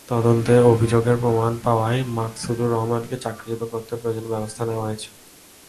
তদন্তে অভিযোগের প্রমাণ পাওয়ায় মাকসুদুর রহমানকে চাকরিচ্যুত করতে প্রয়োজনীয় ব্যবস্থা নেওয়া হয়েছে।